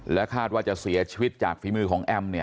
และคาดว่าจะเสียชีวิตจากฝีมือของแอมเนี่ย